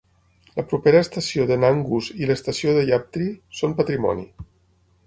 La propera estació de Nangus i l'estació de Yabtree són patrimoni.